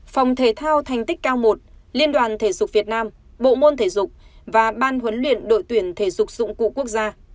phòng thể thao thành tích cao một liên đoàn thể dục việt nam bộ môn thể dục và ban huấn luyện đội tuyển thể dục dụng cụ quốc gia